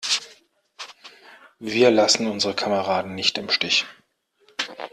Wir lassen unsere Kameraden nicht im Stich!